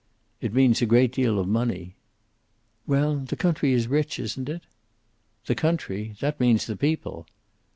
"It means a great deal of money." "'Well, the country is rich, isn't it?" "The country? That means the people."